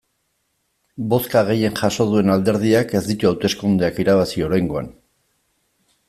Bozka gehien jaso duen alderdiak ez ditu hauteskundeak irabazi oraingoan.